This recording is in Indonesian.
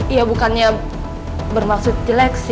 iya bukannya bermaksud jelek